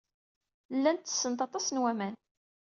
Llant ttessent aṭas n waman.